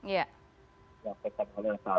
yang tetap orang yang sama